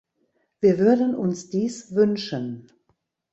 Wir würden uns dies wünschen.